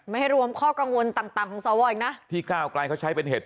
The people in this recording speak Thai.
ไม่รวมข้อกังวลต่างต่างของสวอีกนะที่ก้าวไกลเขาใช้เป็นเหตุ